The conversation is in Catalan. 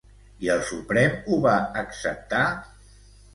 I el Suprem ho va acceptar?